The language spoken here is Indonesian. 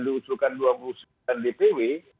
diusulkan dua puluh sembilan dpw